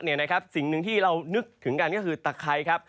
ฝนตกมาเยอะสิ่งหนึ่งที่เรานึกถึงกันก็คือตะไคร